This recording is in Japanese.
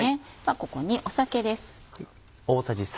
ここに酒です。